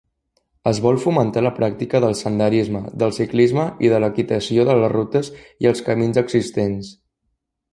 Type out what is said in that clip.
Es vol fomentar la pràctica del senderisme, del ciclisme i de l'equitació a les rutes i als camins existents.